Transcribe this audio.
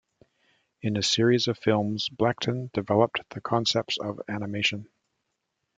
In a series of films, Blackton developed the concepts of animation.